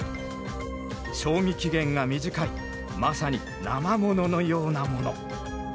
賞味期限が短いまさに「なま物」のようなもの。